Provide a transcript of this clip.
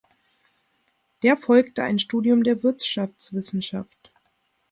Der folgte ein Studium der Wirtschaftswissenschaft.